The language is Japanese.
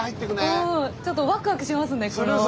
ちょっとワクワクしますねこれは。